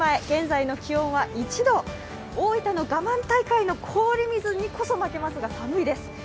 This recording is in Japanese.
現在の気温は１度、大分のがまん大会の氷水にこそ負けますが寒いです。